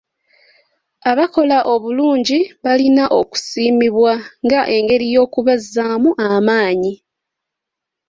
Abakola obulungi balina okusiimibwa ng'engeri y'okubazzaamu amaanyi.